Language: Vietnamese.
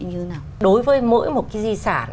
như thế nào đối với mỗi một cái di sản